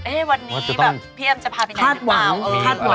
เฮ้ยวันนี้แบบพี่อัมจะพาไปไหนหรือเปล่า